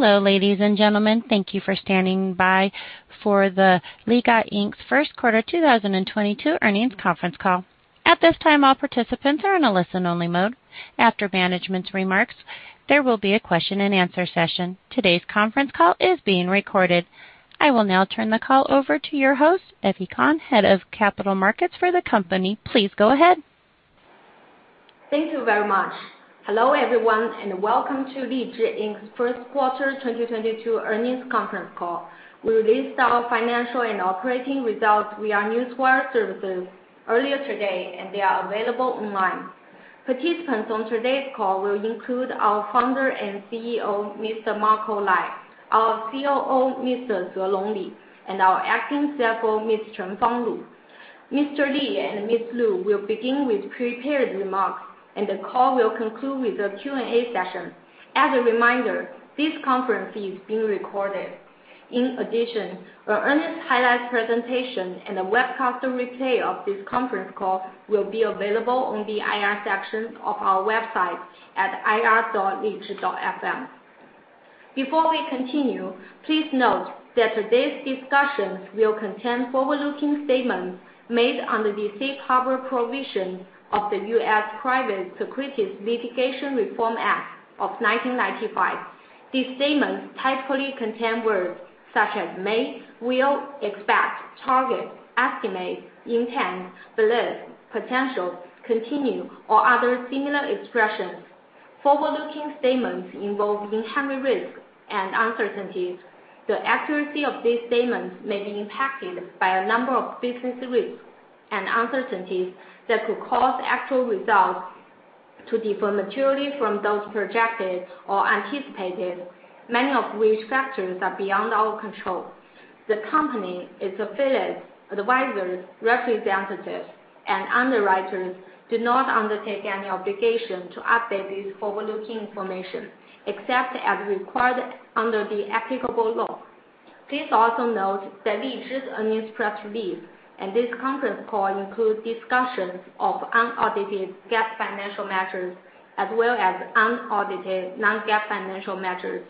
Hello, ladies and gentlemen. Thank you for standing by for the LIZHI Inc.'s first quarter 2022 earnings conference call. At this time, all participants are in a listen only mode. After management's remarks, there will be a question and answer session. Today's conference call is being recorded. I will now turn the call over to your host, Effy Kang, Head of Capital Markets for the company. Please go ahead. Thank you very much. Hello, everyone, and welcome to LIZHI Inc.'s first quarter 2022 earnings conference call. We released our financial and operating results via Newswire services earlier today, and they are available online. Participants on today's call will include our founder and CEO, Mr. Marco Lai, our COO, Mr. Zelong Li, and our acting CFO, Ms. Chengfang Lu. Mr. Li and Ms. Lu will begin with prepared remarks, and the call will conclude with a Q&A session. As a reminder, this conference is being recorded. In addition, our earnings highlights presentation and a webcast replay of this conference call will be available on the IR section of our website at ir.lizhi.fm. Before we continue, please note that today's discussions will contain forward-looking statements made under the Safe Harbor provisions of the US Private Securities Litigation Reform Act of 1995. These statements typically contain words such as may, will, expect, target, estimate, intend, believe, potential, continue, or other similar expressions. Forward-looking statements involve inherent risks and uncertainties. The accuracy of these statements may be impacted by a number of business risks and uncertainties that could cause actual results to differ materially from those projected or anticipated, many of which factors are beyond our control. The company's affiliates, advisors, representatives and underwriters do not undertake any obligation to update these forward-looking information except as required under the applicable law. Please also note that LIZHI's earnings press release and this conference call include discussions of unaudited GAAP financial measures as well as unaudited non-GAAP financial measures.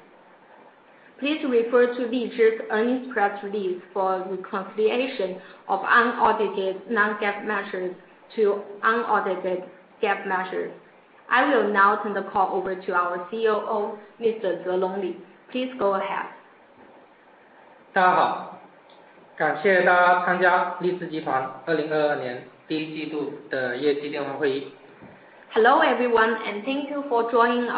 Please refer to LIZHI's earnings press release for a reconciliation of unaudited non-GAAP measures to unaudited GAAP measures. I will now turn the call over to our COO, Mr. Zelong Li. Please go ahead. Hello, everyone, and thank you for joining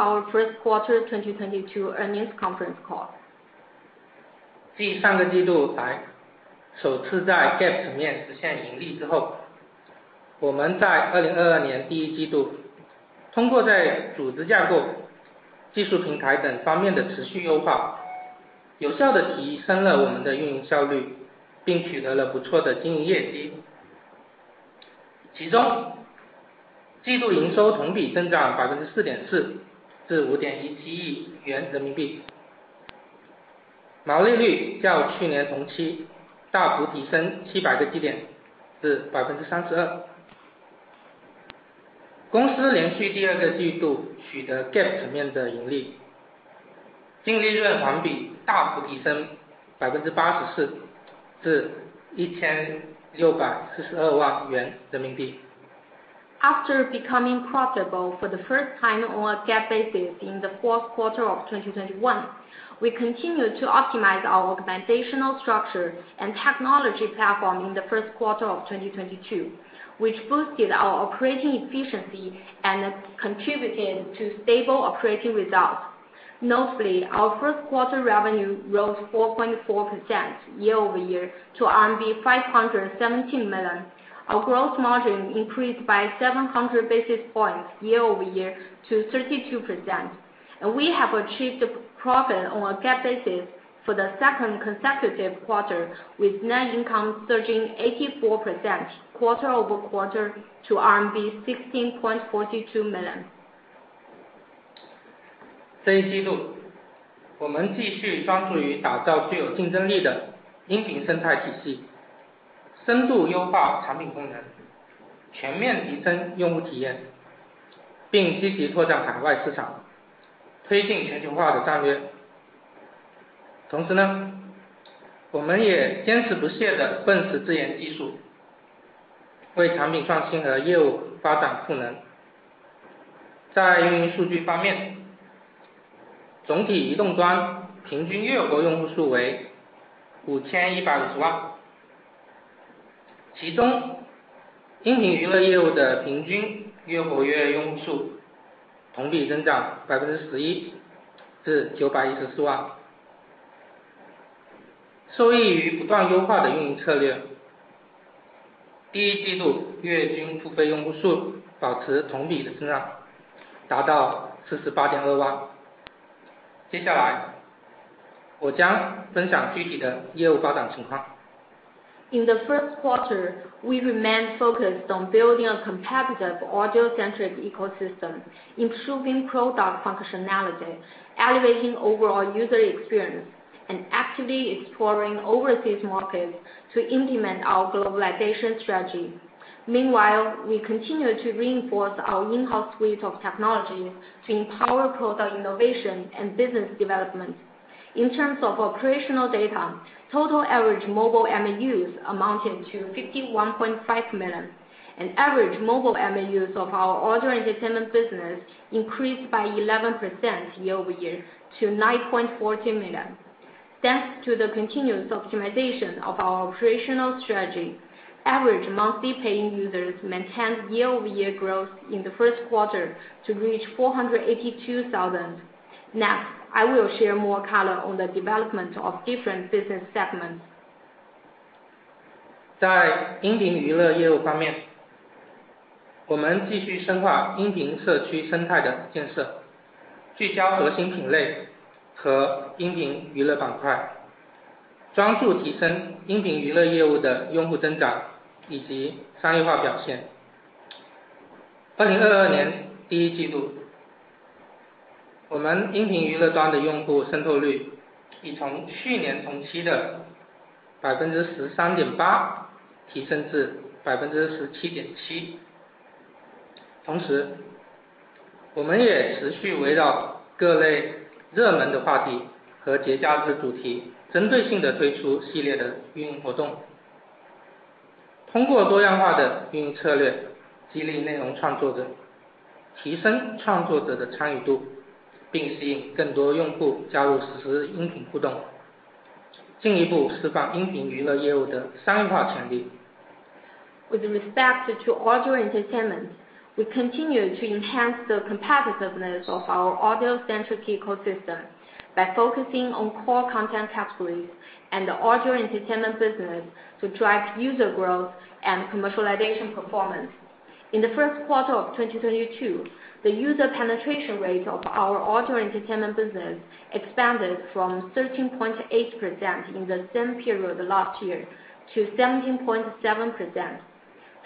our first quarter 2022 earnings conference call. After becoming profitable for the first time on a GAAP basis in the fourth quarter of 2021, we continued to optimize our organizational structure and technology platform in the first quarter of 2022, which boosted our operating efficiency and contributed to stable operating results. Notably, our first quarter revenue rose 4.4% year-over-year to RMB 517 million. Our gross margin increased by 700 basis points year-over-year to 32%. We have achieved a profit on a GAAP basis for the second consecutive quarter, with net income surging 84% quarter-over-quarter to RMB 16.42 million. In the first quarter, we remained focused on building a competitive audio-centric ecosystem, improving product functionality, elevating overall user experience, and actively exploring overseas markets to implement our globalization strategy. Meanwhile, we continue to reinforce our in-house suite of technology to empower product innovation and business development. In terms of operational data, total average mobile MAUs amounted to 51.5 million, and average mobile MAUs of our audio entertainment business increased by 11% year-over-year to 9.14 million. Thanks to the continuous optimization of our operational strategy, average monthly paying users maintained year-over-year growth in the first quarter to reach 482,000. Next, I will share more color on the development of different business segments. With respect to audio entertainment, we continue to enhance the competitiveness of our audio-centric ecosystem by focusing on core content categories and the audio entertainment business to drive user growth and commercialization performance. In the first quarter of 2022, the user penetration rate of our audio entertainment business expanded from 13.8% in the same period last year to 17.7%.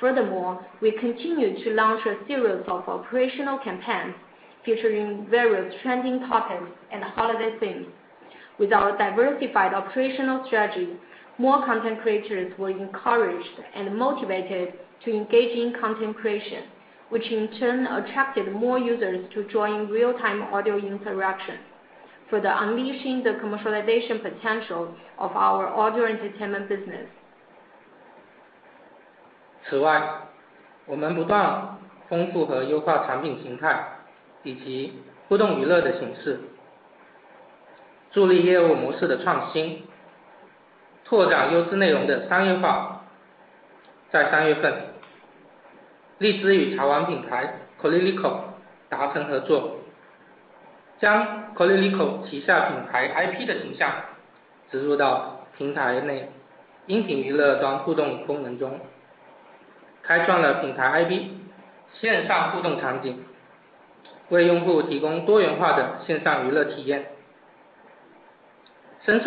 Furthermore, we continue to launch a series of operational campaigns featuring various trending topics and holiday themes. With our diversified operational strategy, more content creators were encouraged and motivated to engage in content creation, which in turn attracted more users to join real-time audio interactions, further unleashing the commercialization potential of our audio entertainment business. In addition,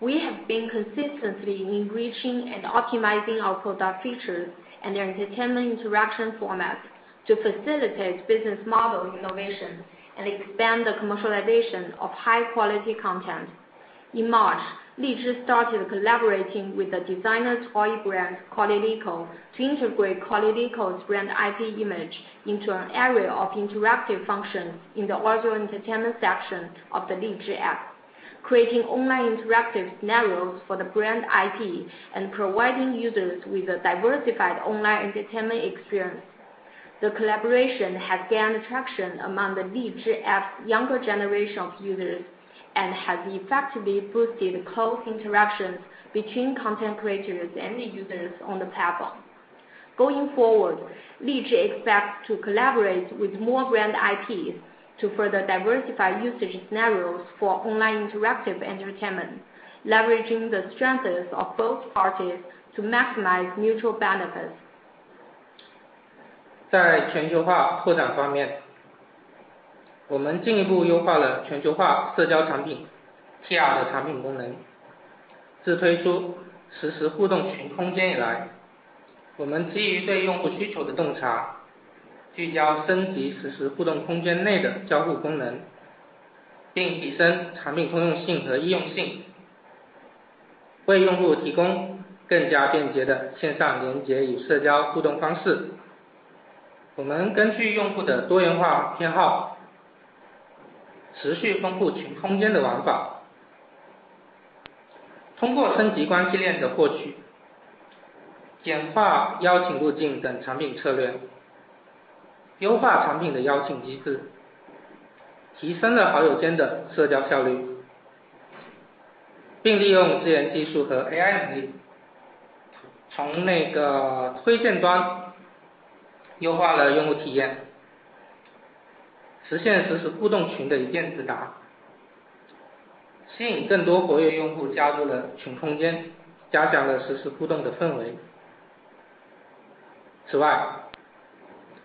we have been consistently enriching and optimizing our product features and entertainment interaction formats to facilitate business model innovation and expand the commercialization of high-quality content. In March, LIZHI started collaborating with the designer toy brand Koliliko to integrate Koliliko's brand IP image into an array of interactive functions in the audio entertainment section of the LIZHI app, creating online interactive scenarios for the brand IP and providing users with a diversified online entertainment experience. The collaboration has gained traction among the LIZHI app's younger generation of users and has effectively boosted close interactions between content creators and the users on the platform. Going forward, LIZHI expects to collaborate with more brand IPs to further diversify usage scenarios for online interactive entertainment, leveraging the strengths of both parties to maximize mutual benefits.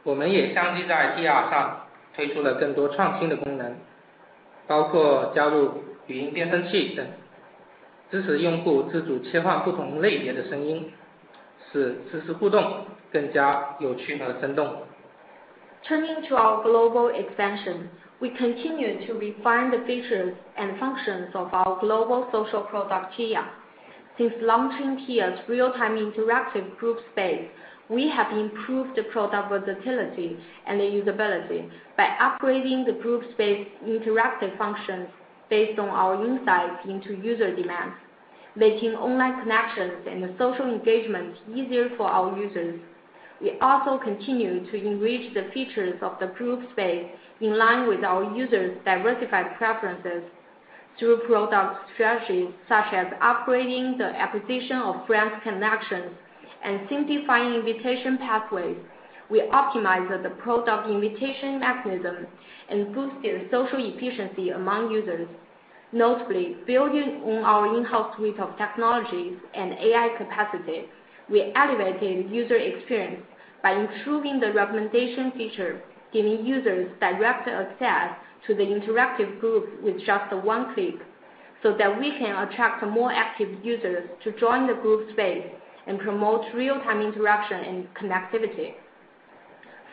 Turning to our global expansion. We continue to refine the features and functions of our global social product TIYA. Since launching TIYA's real-time interactive group space, we have improved the product versatility and usability by upgrading the group space interactive functions based on our insights into user demands, making online connections and social engagement easier for our users. We also continue to enrich the features of the group space in line with our users' diversified preferences through product strategies such as upgrading the acquisition of friends' connections, and simplifying invitation pathways. We optimized the product invitation mechanism and boosted social efficiency among users. Notably, building on our in-house suite of technologies and AI capacity, we elevated user experience by improving the recommendation feature, giving users direct access to the interactive group with just one click, so that we can attract more active users to join the group space and promote real-time interaction and connectivity.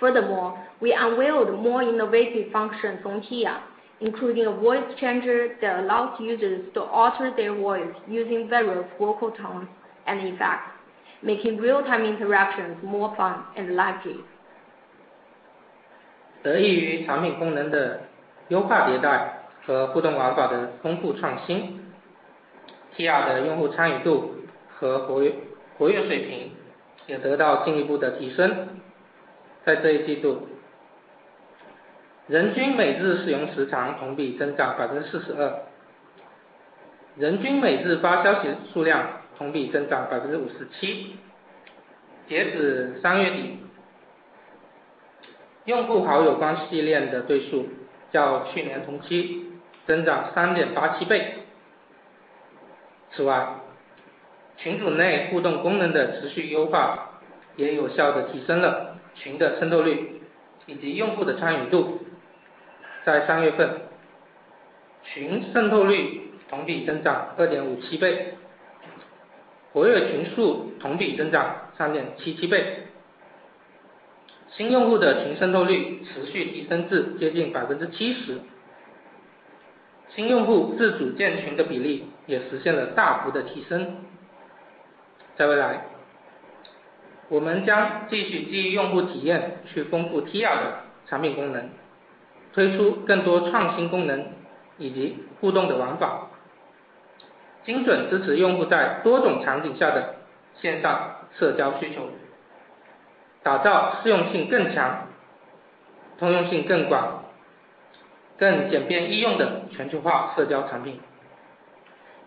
Furthermore, we unveiled more innovative functions on TIYA, including a voice changer that allows users to alter their voice using various vocal tones and effects, making real-time interactions more fun and lively.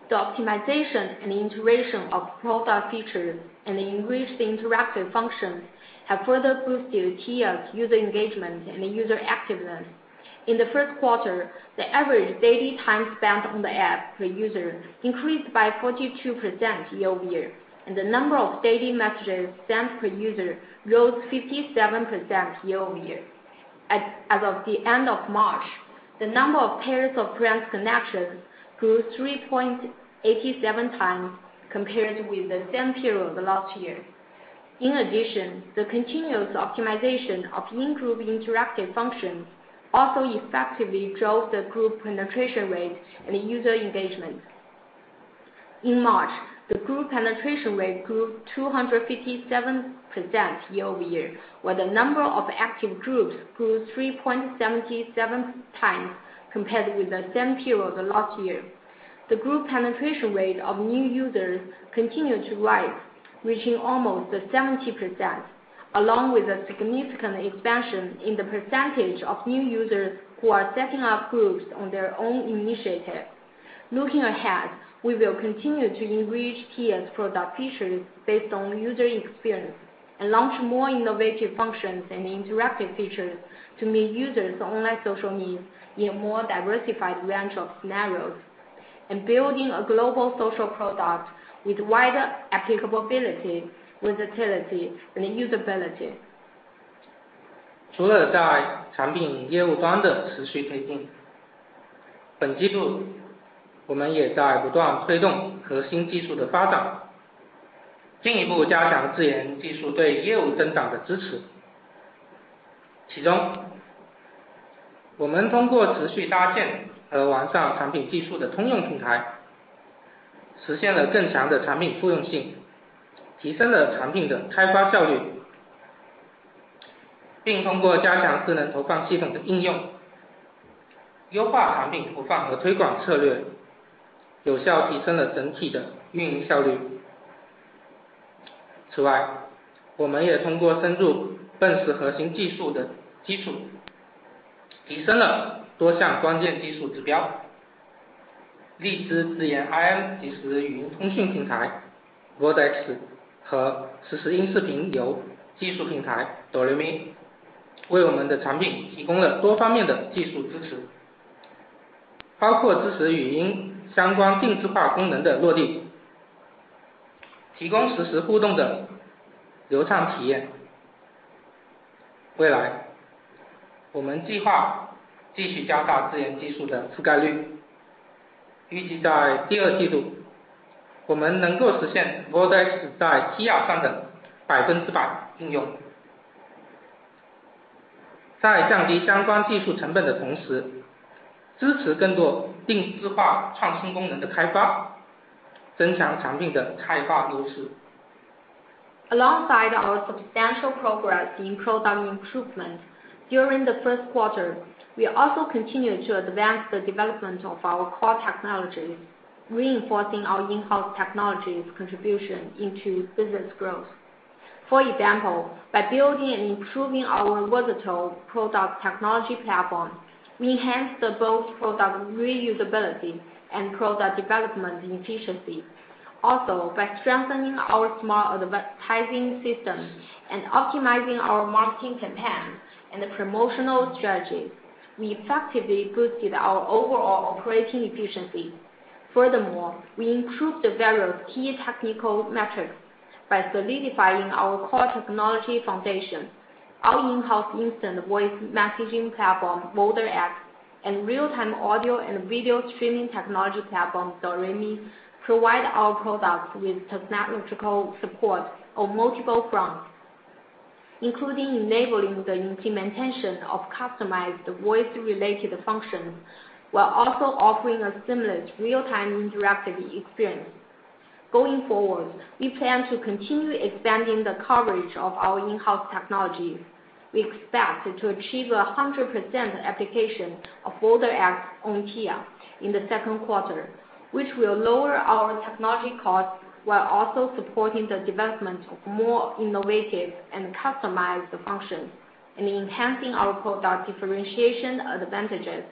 The optimization and iteration of product features and the enriched interactive functions have further boosted TIYA's user engagement and user activeness. In the first quarter, the average daily time spent on the app per user increased by 42% year-over-year, and the number of daily messages sent per user rose 57% year-over-year. As of the end of March, the number of pairs of friends connections grew 3.87 times compared with the same period last year. In addition, the continuous optimization of in-group interactive functions also effectively drove the group penetration rate and user engagement. In March, the group penetration rate grew 257% year-over-year, while the number of active groups grew 3.77 times compared with the same period last year. The group penetration rate of new users continued to rise, reaching almost 70%, along with a significant expansion in the percentage of new users who are setting up groups on their own initiative. Looking ahead, we will continue to enrich TIYA's product features based on user experience, and launch more innovative functions and interactive features to meet users online social needs in a more diversified range of scenarios. Building a global social product with wider applicability, versatility, and usability. Alongside our substantial progress in product improvement. During the first quarter, we also continue to advance the development of our core technologies, reinforcing our in-house technologies contribution into business growth. For example, by building and improving our versatile product technology platform, we enhance the both product reusability and product development efficiency. Also by strengthening our smart advertising system and optimizing our marketing campaigns and promotional strategies, we effectively boosted our overall operating efficiency. Furthermore, we improved the various key technical metrics by solidifying our core technology foundation. Our in-house instant voice messaging platform, VoderX, and real-time audio and video streaming technology platform, DOREME, provide our products with technological support on multiple fronts, including enabling the implementation of customized voice-related functions, while also offering a seamless real-time interactive experience. Going forward, we plan to continue expanding the coverage of our in-house technology. We expect to achieve 100% application of VoderX on TIYA in the second quarter, which will lower our technology costs while also supporting the development of more innovative and customized functions and enhancing our product differentiation advantages.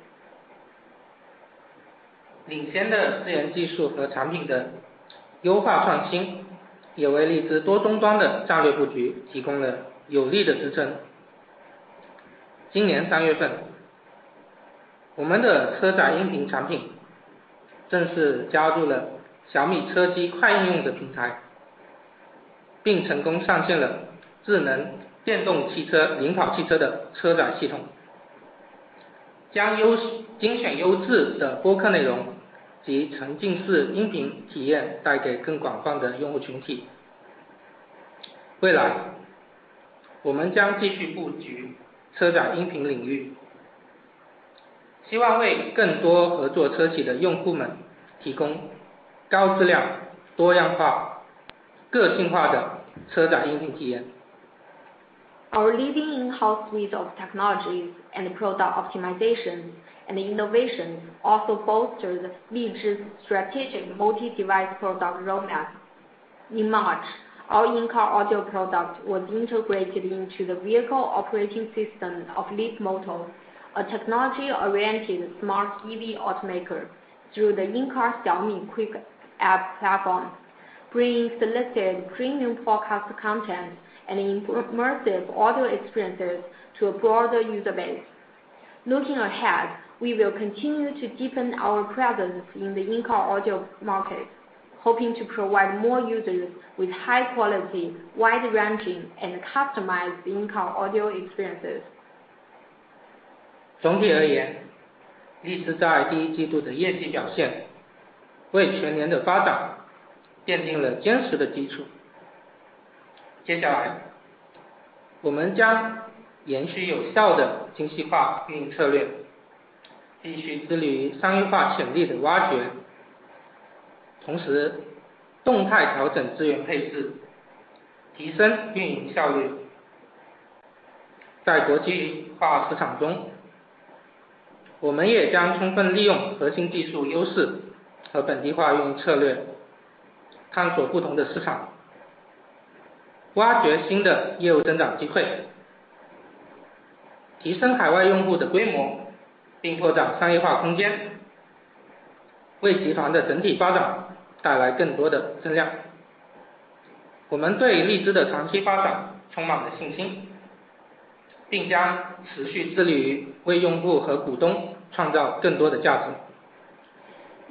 Our leading in-house suite of technologies and product optimization and innovation also bolster the strategic multi-device product roadmap. In March, our in-car audio product was integrated into the vehicle operating system of Leapmotor, a technology-oriented smart EV automaker through the in-car Xiaomi Quick App platform, bringing selected premium podcast content and immersive audio experiences to a broader user base. Looking ahead, we will continue to deepen our presence in the in-car audio market, hoping to provide more users with high quality, wide-ranging and customized in-car audio experiences.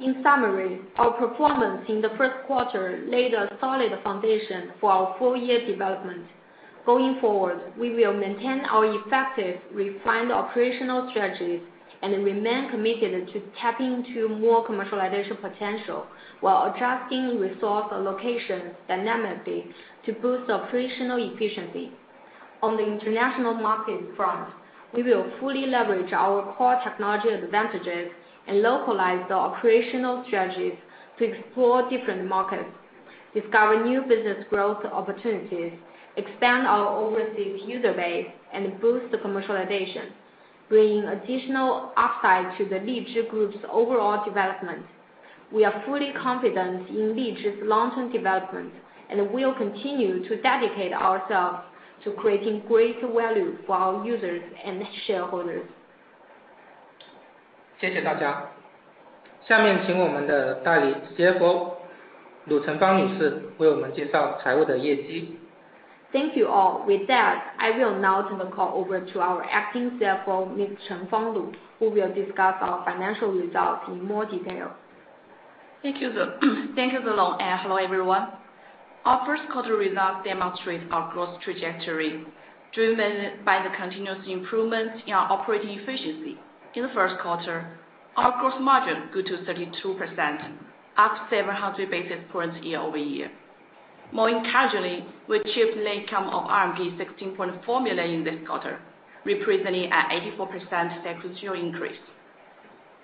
In summary, our performance in the first quarter laid a solid foundation for our full year development. Going forward, we will maintain our effective, refined operational strategies and remain committed to tapping into more commercialization potential while adjusting resource allocation dynamically to boost operational efficiency. On the international market front, we will fully leverage our core technology advantages and localize the operational strategies to explore different markets, discover new business growth opportunities, expand our overseas user base, and boost commercialization, bringing additional upside to the LIZHI group's overall development. We are fully confident in LIZHI's long-term development and will continue to dedicate ourselves to creating greater value for our users and shareholders. 谢谢大家！下面请我们的代理CFO。由陆晨芳女士为我们介绍财务的业绩。Thank you all. With that, I will now turn the call over to our Acting CFO, Ms. Chengfang Lu, who will discuss our financial results in more detail. Thank you. Thank you, Zelong. Hello, everyone. Our first quarter results demonstrate our growth trajectory, driven by the continuous improvements in our operating efficiency. In the first quarter, our gross margin grew to 32%, up 700 basis points year-over-year. More encouraging, we achieved net income of 16.4 million this quarter, representing an 84% sequential increase.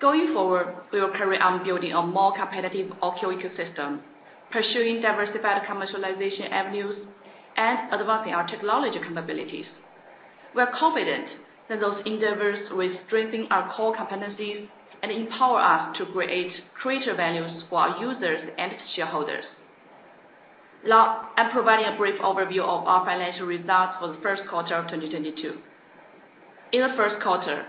Going forward, we will carry on building a more competitive audio ecosystem, pursuing diversified commercialization avenues, and advancing our technology capabilities. We are confident that those endeavors will strengthen our core competencies and empower us to create greater values for our users and shareholders. Now, I'm providing a brief overview of our financial results for the first quarter of 2022. In the first quarter,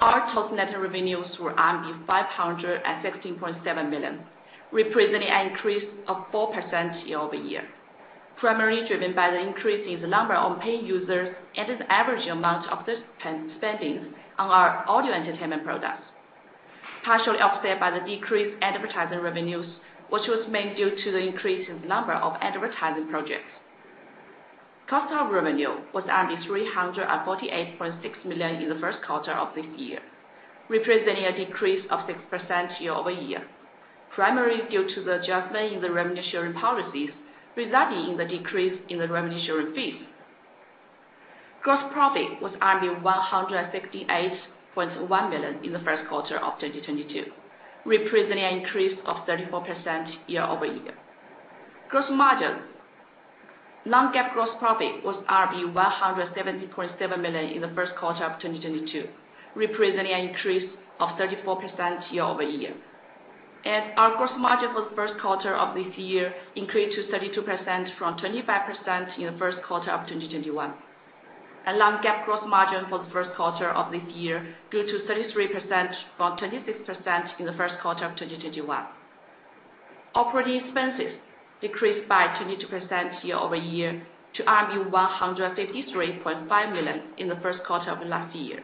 our total net revenues were 516.7 million, representing an increase of 4% year-over-year, primarily driven by the increase in the number of paying users and an average amount of the spending on our audio entertainment products, partially offset by the decreased advertising revenues, which was mainly due to the increase in the number of advertising projects. Cost of revenue was 348.6 million in the first quarter of this year, representing a decrease of 6% year-over-year, primarily due to the adjustment in the revenue sharing policies, resulting in the decrease in the revenue sharing fees. Gross profit was 168.1 million in the first quarter of 2022, representing an increase of 34% year-over-year. Gross margin. Non-GAAP gross profit was 170.7 million in the first quarter of 2022, representing an increase of 34% year-over-year. Our gross margin for the first quarter of this year increased to 32% from 25% in the first quarter of 2021. Non-GAAP gross margin for the first quarter of this year grew to 33% from 26% in the first quarter of 2021. Operating expenses decreased by 22% year-over-year to RMB 153.5 million in the first quarter of this year.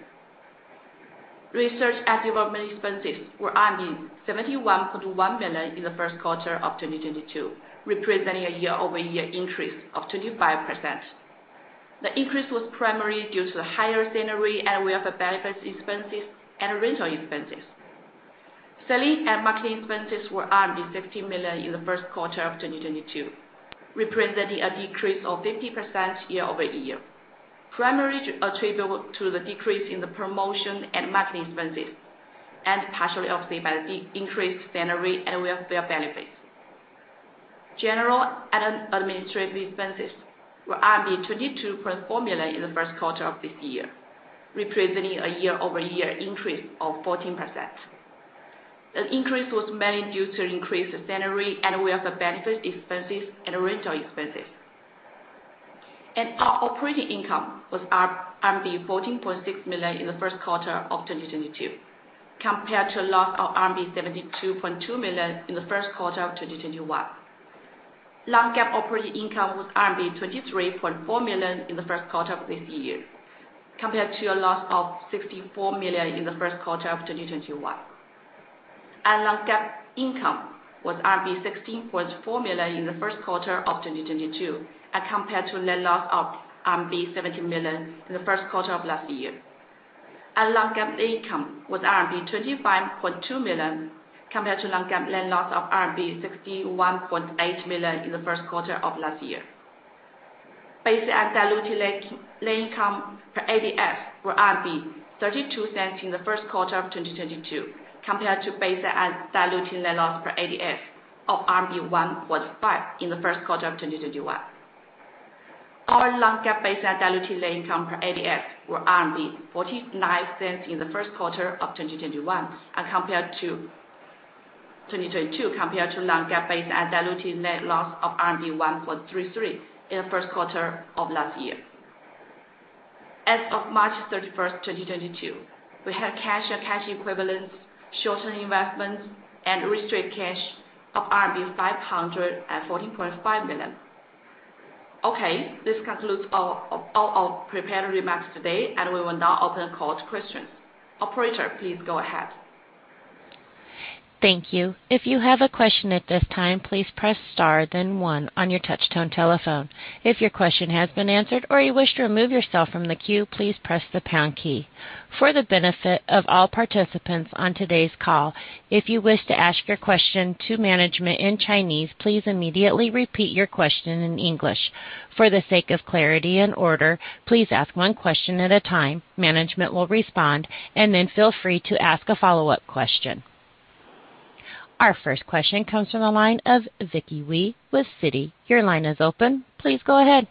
Research and development expenses were 71.1 million in the first quarter of 2022, representing a year-over-year increase of 25%. The increase was primarily due to the higher salary and welfare benefits expenses and rental expenses. Selling and marketing expenses were 60 million in the first quarter of 2022, representing a decrease of 50% year-over-year, primarily attributable to the decrease in the promotion and marketing expenses, and partially offset by the increased salary and welfare benefits. General and administrative expenses were 22.4 million in the first quarter of this year, representing a year-over-year increase of 14%. The increase was mainly due to increased salary and welfare benefit expenses and rental expenses. Our operating income was RMB 14.6 million in the first quarter of 2022, compared to a loss of RMB 72.2 million in the first quarter of 2021. non-GAAP operating income was RMB 23.4 million in the first quarter of this year, compared to a loss of 64 million in the first quarter of 2021. non-GAAP income was RMB 16.4 million in the first quarter of 2022, compared to net loss of RMB 17 million in the first quarter of last year. non-GAAP net income was RMB 25.2 million, compared to non-GAAP net loss of RMB 61.8 million in the first quarter of last year. Basic and diluted net income per ADS were 0.32 in the first quarter of 2022, compared to basic and diluted net loss per ADS of RMB 1.5 in the first quarter of 2021. Our non-GAAP basic and diluted net income per ADS were 0.49 in the first quarter of 2022, compared to non-GAAP basic and diluted net loss of RMB 1.33 in the first quarter of last year. As of March 31, 2022, we had cash and cash equivalents, short-term investments, and restricted cash of RMB 514.5 million. Okay, this concludes all our prepared remarks today, and we will now open the call to questions. Operator, please go ahead. Thank you. If you have a question at this time, please press star then one on your touch tone telephone. If your question has been answered or you wish to remove yourself from the queue, please press the pound key. For the benefit of all participants on today's call, if you wish to ask your question to management in Chinese, please immediately repeat your question in English. For the sake of clarity and order, please ask one question at a time. Management will respond, and then feel free to ask a follow-up question. Our first question comes from the line of Vicky Wei with Citi. Your line is open. Please go ahead.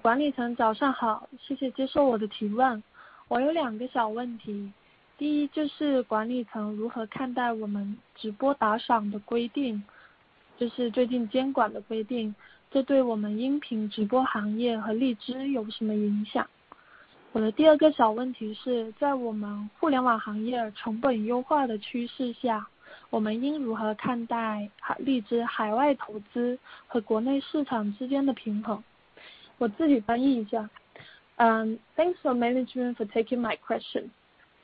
管理层早上好。谢谢接受我的提问。我有两个小问题。第一就是管理层如何看待我们直播打赏的规定？ 就是最近监管的规定，这对我们音频直播行业和荔枝有什么影响？我的第二个小问题是，在我们互联网行业成本优化的趋势下，我们应如何看待荔枝海外投资和国内市场之间的平衡？我自己翻译一下。Thanks to management for taking my question.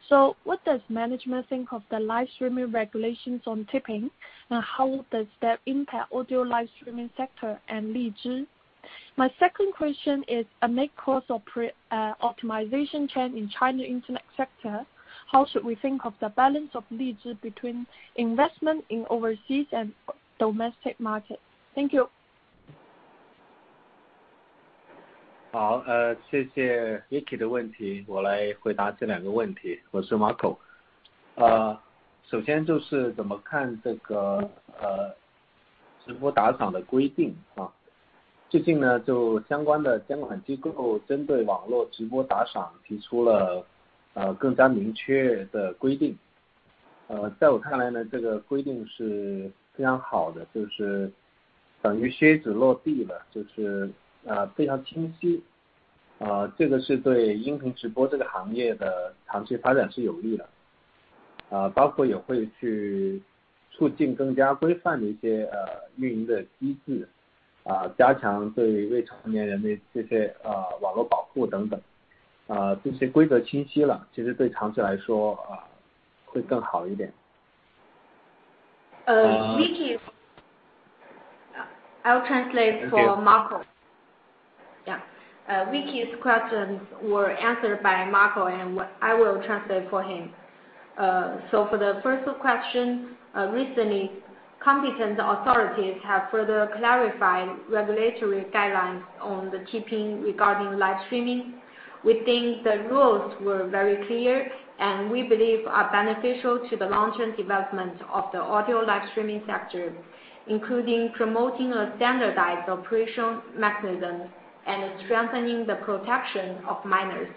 So what does management think of the live streaming regulations on tipping? How does that impact audio live streaming sector and LIZHI? My second question is internet cost optimization trend in China internet sector. How should we think of the balance of LIZHI between investment in overseas and domestic markets? Thank you. Vicky. I'll translate for Marco. Yeah. Vicky's questions were answered by Marco, and I will translate for him. For the first question, recently competent authorities have further clarified regulatory guidelines on the tipping regarding live streaming. We think the rules were very clear and we believe are beneficial to the long-term development of the audio live streaming sector, including promoting a standardized operational mechanism and strengthening the protection of minors.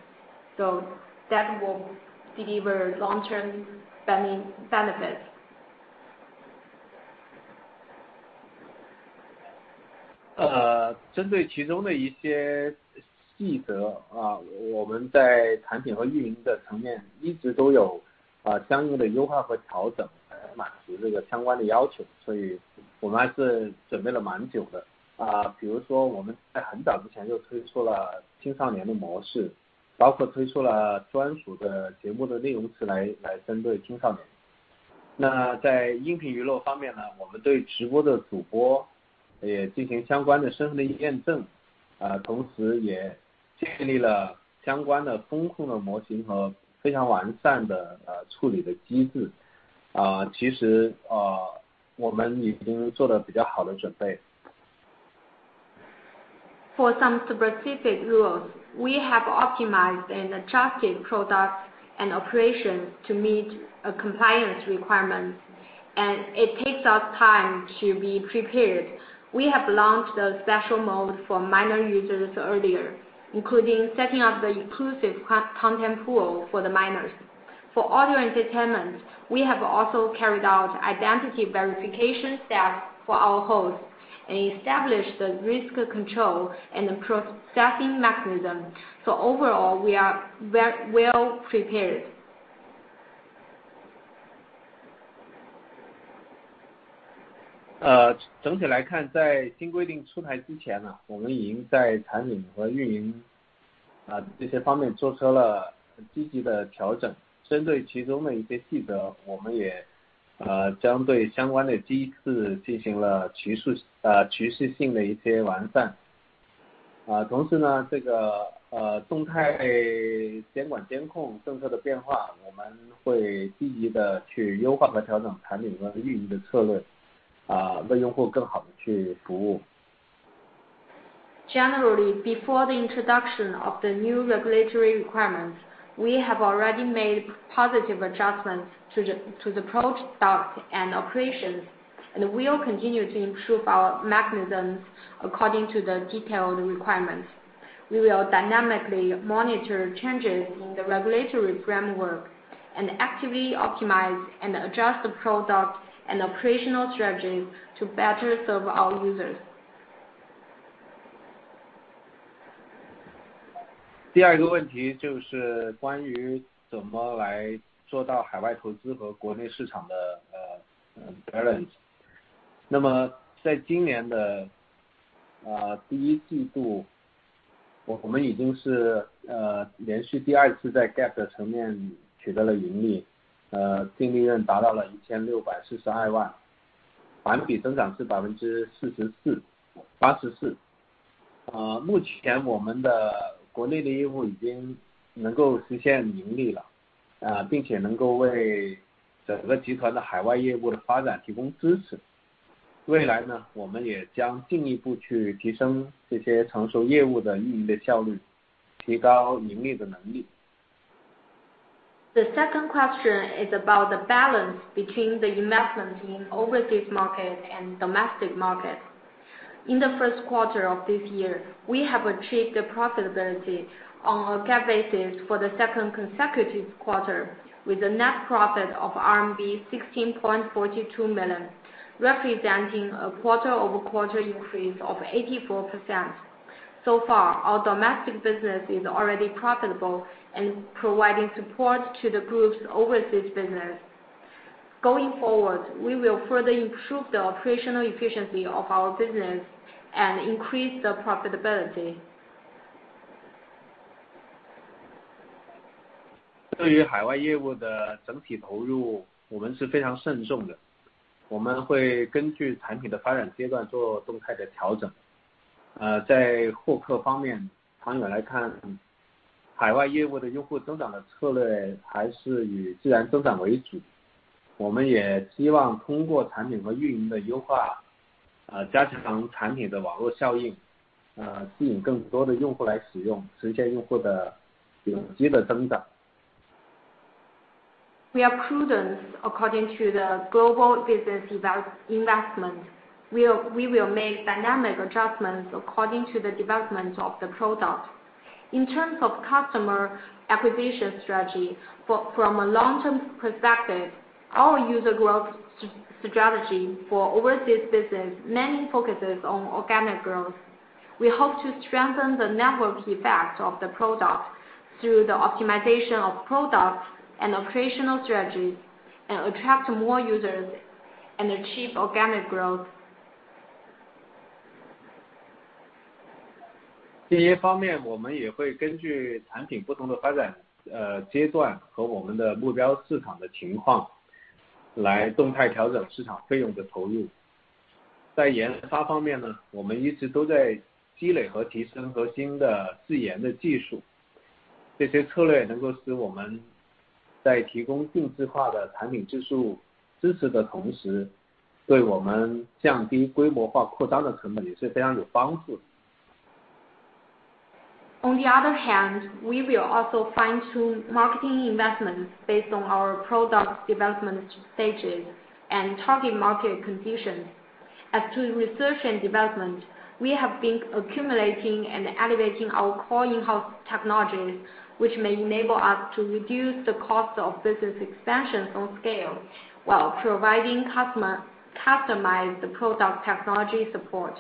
That will deliver long-term benefits. For some specific rules, we have optimized and adjusted products and operations to meet compliance requirements and it takes us time to be prepared. We have launched a special mode for minor users earlier, including setting up the inclusive content pool for the minors. For audio entertainment, we have also carried out identity verification steps for our hosts and established the risk control and processing mechanism. Overall, we are very well prepared. Generally, before the introduction of the new regulatory requirements, we have already made positive adjustments to the products and operations, and we will continue to improve our mechanisms according to the detailed requirements. We will dynamically monitor changes in the regulatory framework and actively optimize and adjust the product and operational strategies to better serve our users. The second question is about the balance between the investment in overseas markets and domestic markets. In the first quarter of this year, we have achieved profitability on a GAAP basis for the second consecutive quarter with a net profit of RMB 16.42 million, representing a quarter-over-quarter increase of 84%. So far, our domestic business is already profitable and providing support to the group's overseas business. Going forward, we will further improve the operational efficiency of our business and increase the profitability. 对于海外业务的整体投入，我们是非常慎重的，我们会根据产品的发展阶段做动态的调整。在获客方面，长远来看，海外业务的用户增长的策略还是以自然增长为主。我们也希望通过产品和运营的优化，加强产品的网络效应，吸引更多的用户来使用，实现用户的有机的增长。We are prudent according to the global business development and investment. We will make dynamic adjustments according to the development of the product. In terms of customer acquisition strategy, from a long-term perspective, our user growth strategy for overseas business mainly focuses on organic growth. We hope to strengthen the network effect of the product through the optimization of products and operational strategies, and attract more users and achieve organic growth. On the other hand, we will also fine-tune marketing investments based on our product development stages and target market conditions. As to research and development, we have been accumulating and elevating our core in-house technologies, which may enable us to reduce the cost of business expansion on scale, while providing customer-customized product technology support.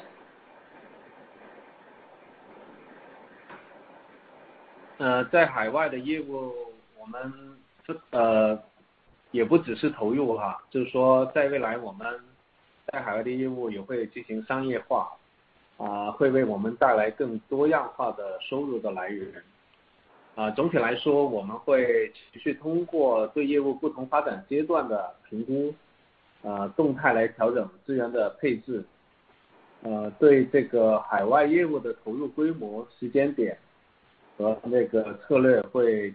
For global expansion,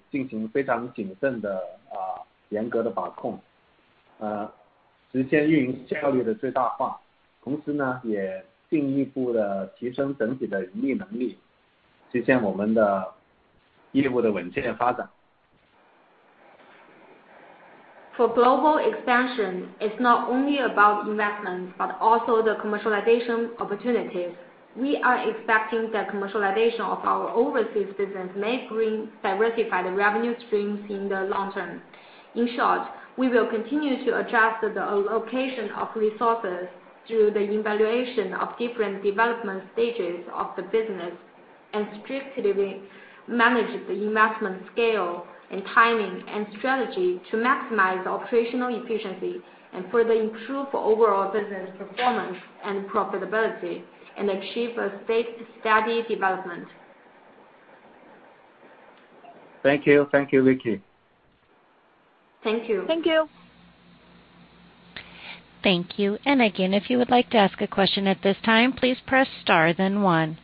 it's not only about investment, but also the commercialization opportunities. We are expecting that commercialization of our overseas business may bring diversified revenue streams in the long term. In short, we will continue to adjust the allocation of resources through the evaluation of different development stages of the business, and strictly manage the investment scale and timing and strategy to maximize operational efficiency and further improve overall business performance and profitability and achieve a safe, steady development. Thank you. Thank you, Vicky. Thank you. Thank you. Thank you. Again, if you would like to ask a question at this time, please press star then one.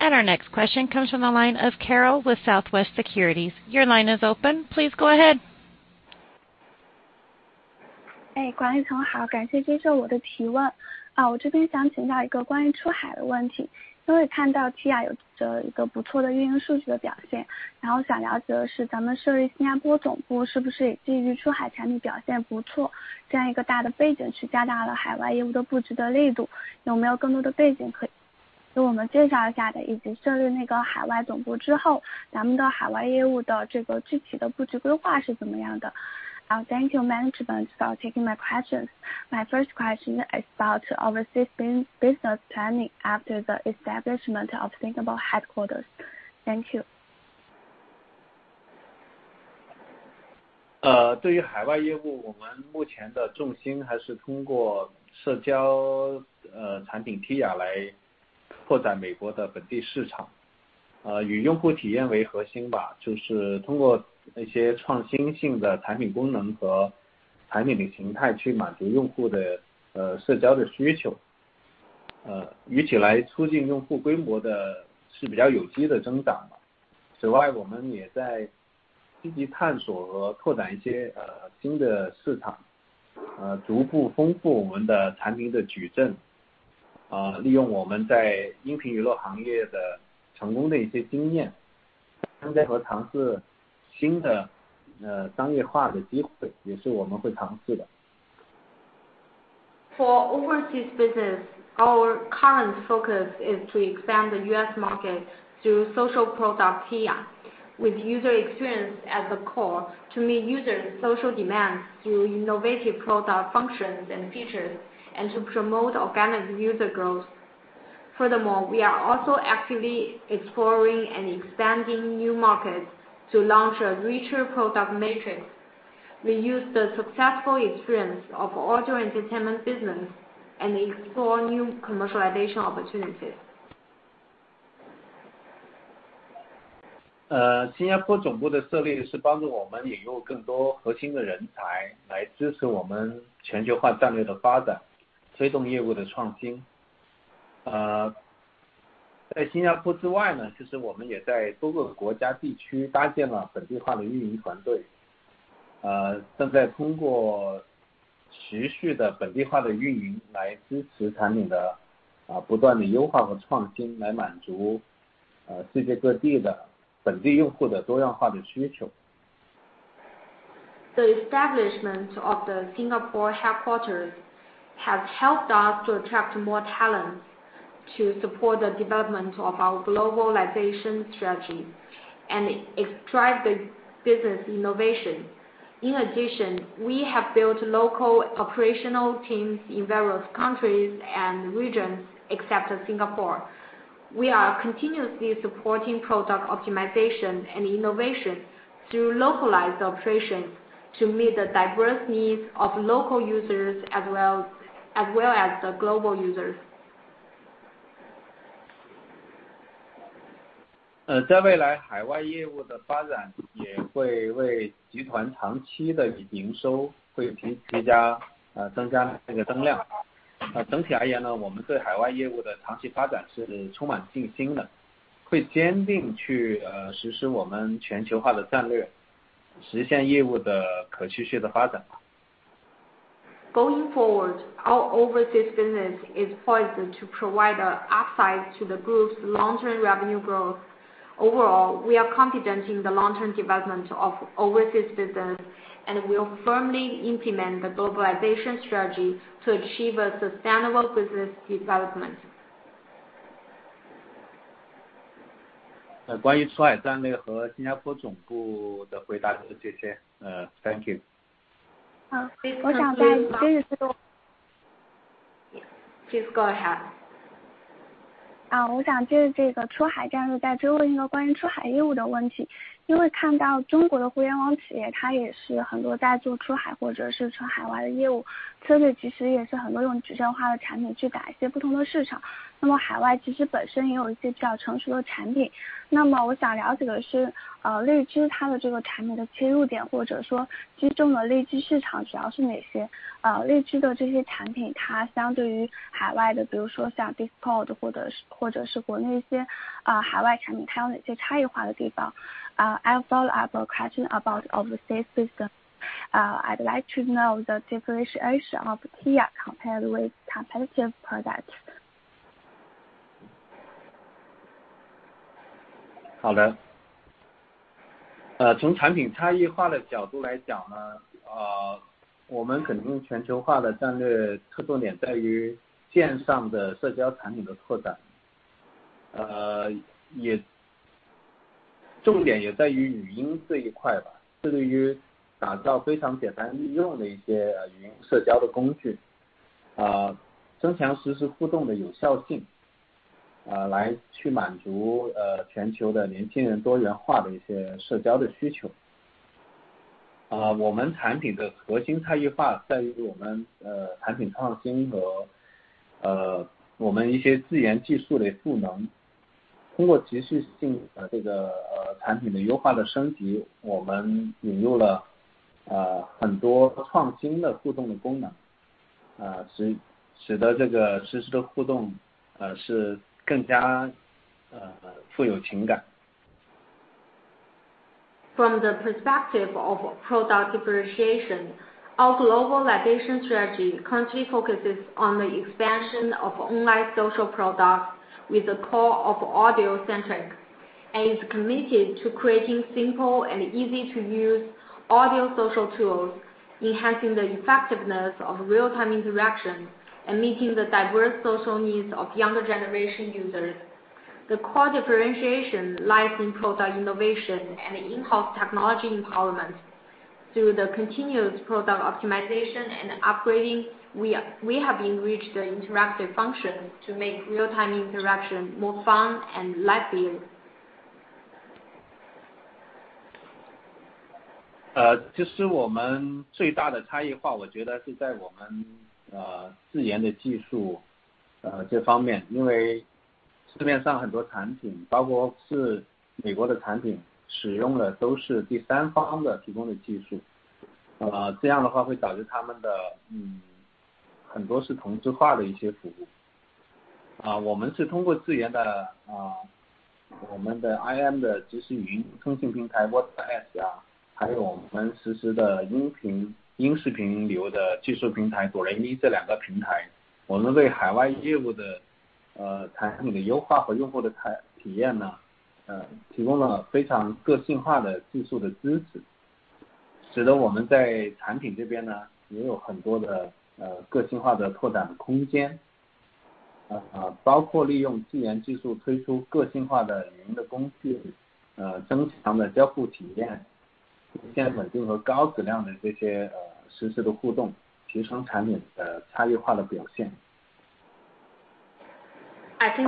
Our next question comes from the line of Carol with Southwest Securities. Your line is open. Please go ahead. Thank you management for taking my questions. My first question is about overseas business planning after the establishment of Singapore headquarters. Thank you. For overseas business, our current focus is to expand the U.S. market through social product here with user experience as the core to meet users' social demands through innovative product functions and features and to promote organic user growth. Furthermore, we are also actively exploring and expanding new markets to launch a richer product matrix. We use the successful experience of audio entertainment business and explore new commercialization opportunities. 新加坡总部的设立是帮助我们引入更多核心的人才，来支持我们全球化战略的发展，推动业务的创新。在新加坡之外，其实我们也在多个国家地区搭建了本地化的运营团队，正在通过持续的本地化的运营来支持产品的不断的优化和创新，来满足世界各地的本地用户的多样化的需求。The establishment of the Singapore headquarters has helped us to attract more talents to support the development of our globalization strategy, and it drives the business innovation. In addition, we have built local operational teams in various countries and regions except Singapore. We are continuously supporting product optimization and innovation through localized operations to meet the diverse needs of local users as well as the global users. 在未来，海外业务的发展也会为集团长期的营收追加增加这个增量。整体而言，我们对海外业务的长期发展是充满信心的，会坚定去实施我们全球化的战略，实现业务的可持续的发展。Going forward, our overseas business is poised to provide an upside to the group's long-term revenue growth. Overall, we are confident in the long-term development of overseas business, and we will firmly implement the globalization strategy to achieve a sustainable business development. 关于出海战略和新加坡总部的回答就这些。Thank you。好，我想再接着这个。Please go ahead. I follow up a question about overseas business. I'd like to know the differentiation of TIYA compared with competitive products. From the perspective of product differentiation, our globalization strategy currently focuses on the expansion of online social products with the core of audio centric, and is committed to creating simple and easy to use audio social tools, enhancing the effectiveness of real-time interaction, and meeting the diverse social needs of younger generation users. The core differentiation lies in product innovation and in-house technology empowerment. Through the continuous product optimization and upgrading, we have enriched the interactive functions to make real-time interaction more fun and lively. I think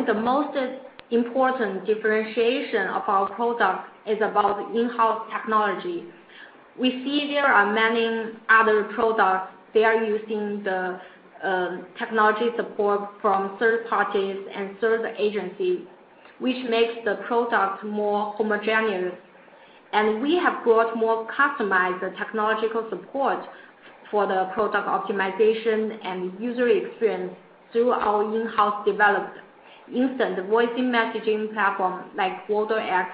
the most important differentiation of our product is about in-house technology. We see there are many other products, they are using the technology support from third parties and third agencies, which makes the product more homogeneous. We have brought more customized technological support for the product optimization and user experience through our in-house developed instant voice messaging platform like VoderX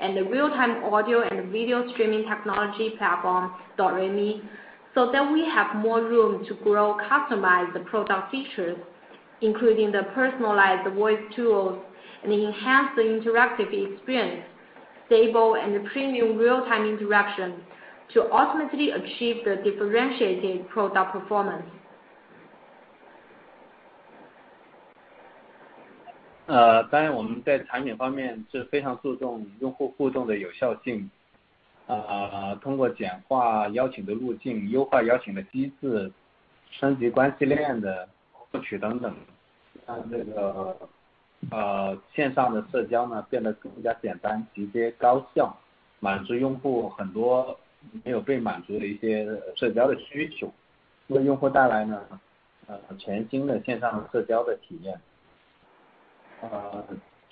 and the real-time audio and video streaming technology platform DOREME, so that we have more room to grow customized product features, including the personalized voice tools and enhance the interactive experience, stable and premium real-time interaction to ultimately achieve the differentiated product performance.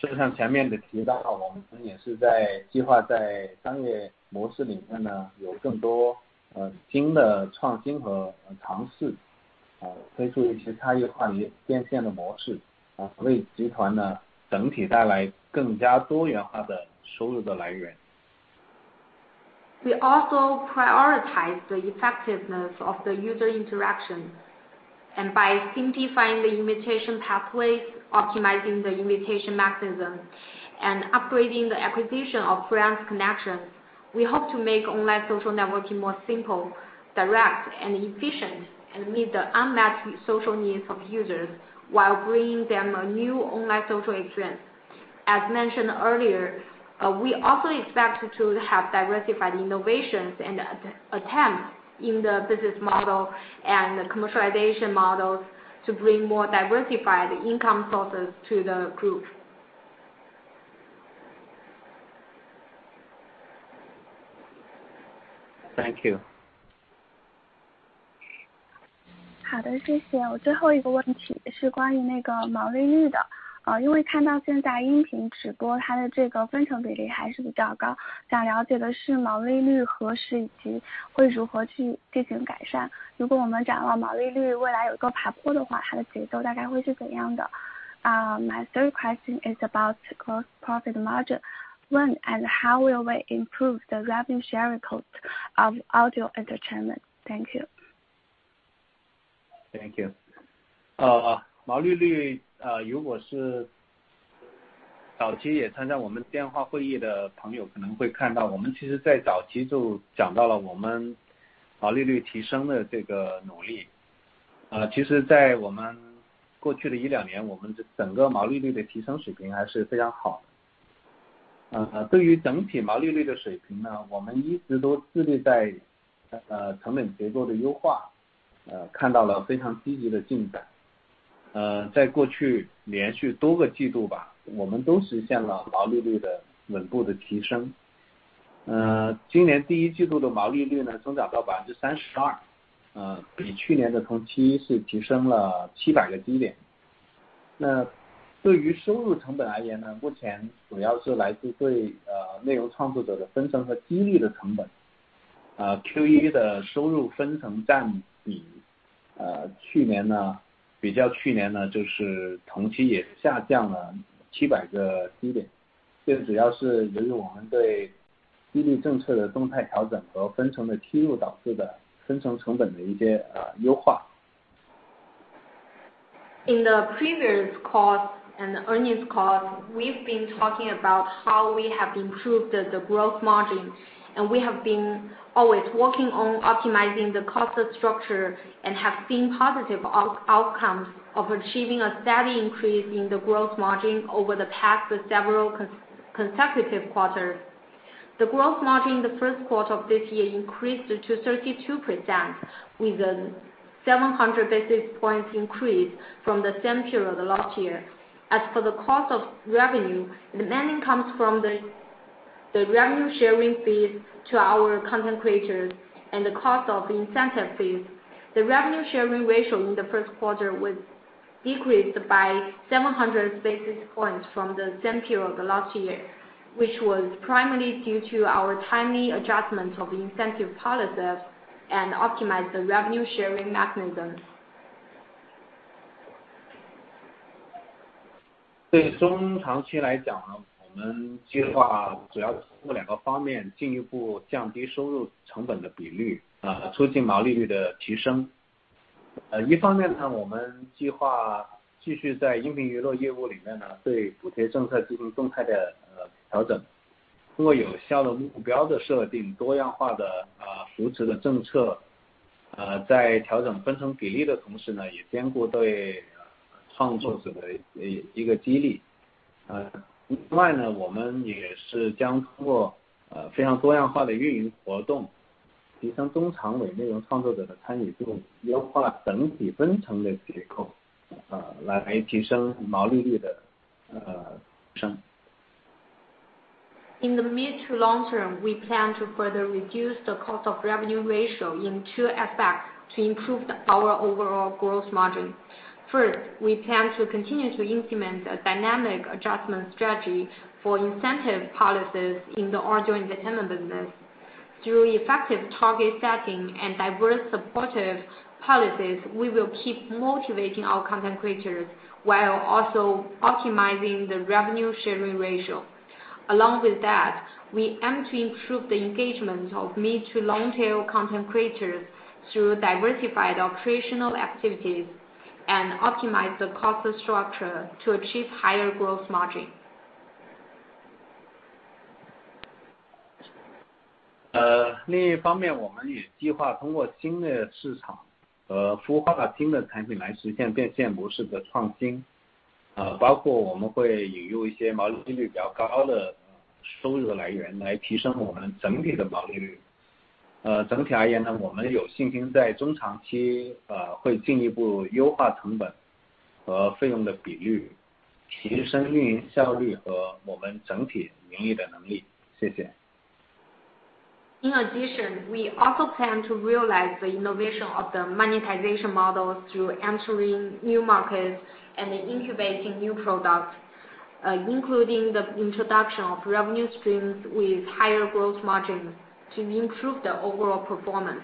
We also prioritize the effectiveness of the user interaction. By simplifying the invitation pathways, optimizing the invitation mechanism, and upgrading the acquisition of friends connections, we hope to make online social networking more simple, direct and efficient, and meet the unmet social needs of users while bringing them a new online social experience. As mentioned earlier, we also expect to have diversified innovations and attempt in the business model and commercialization models to bring more diversified income sources to the group. Thank you. 好的，谢谢。我最后一个问题是关于那个毛利率的。因为看到现在音频直播它的这个分成比例还是比较高，想了解的是毛利率何时以及会如何去进行改善。如果我们讲到毛利率未来有个爬坡的话，它的节奏大概会是怎样的。My third question is about gross profit margin. When and how will we improve the revenue sharing cost of audio entertainment? Thank you. In the previous calls and earnings calls, we've been talking about how we have improved the gross margin, and we have been always working on optimizing the cost structure and have seen positive outcomes of achieving a steady increase in the gross margin over the past several consecutive quarters. The gross margin in the first quarter of this year increased to 32%, with a 700 basis points increase from the same period last year. As for the cost of revenue, the main components are the revenue sharing fees to our content creators and the cost of incentive fees. The revenue sharing ratio in the first quarter was decreased by 700 basis points from the same period last year, which was primarily due to our timely adjustment of incentive policies and optimization of the revenue sharing mechanisms. In the mid to long term, we plan to further reduce the cost of revenue ratio in two aspects to improve our overall gross margin. First, we plan to continue to implement a dynamic adjustment strategy for incentive policies in the audio entertainment business. Through effective target setting and diverse supportive policies, we will keep motivating our content creators while also optimizing the revenue sharing ratio. Along with that, we aim to improve the engagement of mid to long tail content creators through diversified operational activities and optimize the cost structure to achieve higher gross margin. 另一方面，我们也计划通过新的市场和孵化新的产品来实现变现模式的创新，包括我们会引入一些毛利率比较高的收入来源来提升我们整体的毛利率。整体而言，我们有信心在中长期，会进一步优化成本和费用的比率，提升运营效率和我们整体盈利的能力。谢谢。In addition, we also plan to realize the innovation of the monetization models through entering new markets and incubating new products, including the introduction of revenue streams with higher growth margin to improve the overall performance.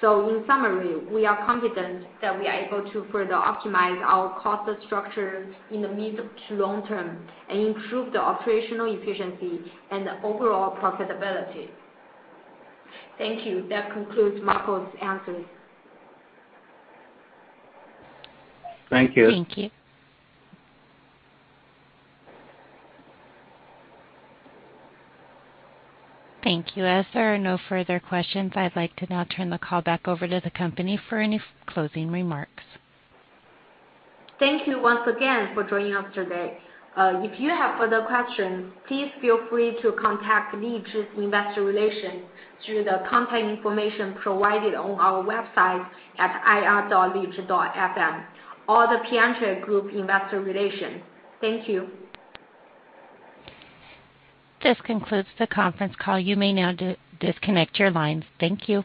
In summary, we are confident that we are able to further optimize our cost structure in the mid to long term and improve the operational efficiency and overall profitability. Thank you. That concludes Marco's answers. Thank you. Thank you. Thank you. As there are no further questions, I'd like to now turn the call back over to the company for any closing remarks. Thank you once again for joining us today. If you have further questions, please feel free to contact LIZHI Investor Relations through the contact information provided on our website at ir.lizhi.fm or The Piacente Group Investor Relations. Thank you. This concludes the conference call. You may now disconnect your lines. Thank you.